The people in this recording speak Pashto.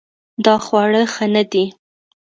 دا خواړه ښه نه دي